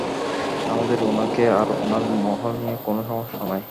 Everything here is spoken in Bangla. আমাদের উনাকে, আর উনার, মহল নিয়ে কোন সমস্যা নাই।